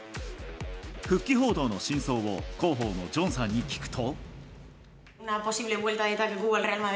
復帰報道の真相を広報のジョンさんに聞くと。